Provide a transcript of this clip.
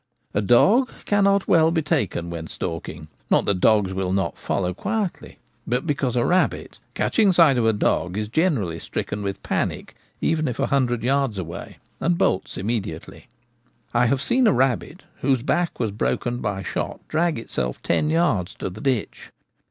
A dog cannot well be taken while stalking — not that dogs will not follow quietly, but because a rabbit, catching sight of a dog, is gene rally stricken with panic even if a hundred yards away, and bolts immediately. I have seen a rabbit whose back was broken by shot drag itself ten yards to the ditch.